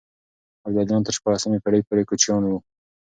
ابداليان تر شپاړسمې پېړۍ پورې کوچيان وو.